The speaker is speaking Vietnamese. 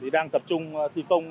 đang tập trung thi công